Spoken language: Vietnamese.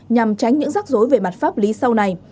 nhằm tránh những rắc rối về mặt pháp lý sau này